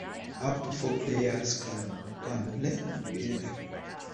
Up to four players can play together.